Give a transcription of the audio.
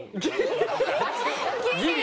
ギリ？